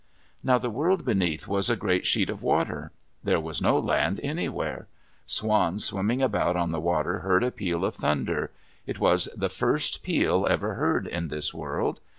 Now the world beneath was a great sheet of water. There was no land anywhere. Swans swimming about on the water heard a peal of thunder. It was the first peal ever heard in this world.